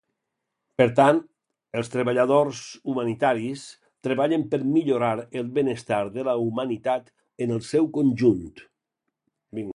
Per tant, els treballadors humanitaris treballen per millorar el benestar de la humanitat en el seu conjunt.